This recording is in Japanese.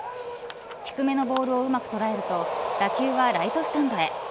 低めのボールをうまく捉えると打球はライトスタンドへ。